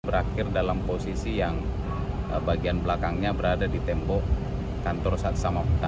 berakhir dalam posisi yang bagian belakangnya berada di tembok kantor satsama